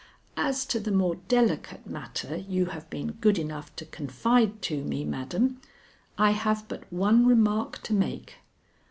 As to the more delicate matter you have been good enough to confide to me, madam, I have but one remark to make.